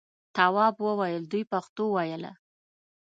تواب وویل دوی پښتو ویله.